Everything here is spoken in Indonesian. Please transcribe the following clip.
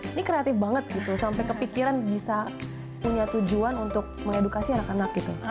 ini kreatif banget gitu sampai kepikiran bisa punya tujuan untuk mengedukasi anak anak gitu